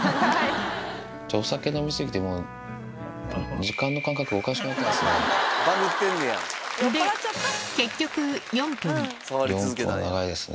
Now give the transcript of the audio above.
ちょっとお酒飲み過ぎて、もう、時間の感覚おかしくなってますね。